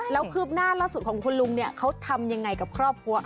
แล้วคืบหน้าล่าสุดของคุณลุงเนี่ยเขาทำยังไงกับครอบครัว